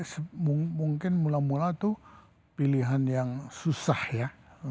semung mungkin mula mula itu pilihan yang susah ya